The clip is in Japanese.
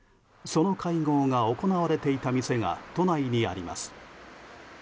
その会合が行われていた店が都内にあります。